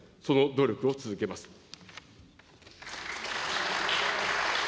その努力を続けます。